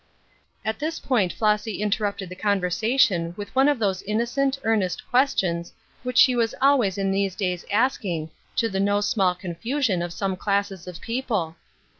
At this point Flossy interrupted the conversa tion with one of those innocent, earnest que? 34 Ruth Erskine's Crosses, tions which she was always in these days asking, to the no small confusion of some classes of people.